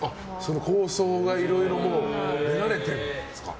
構想がいろいろ練られているんですか。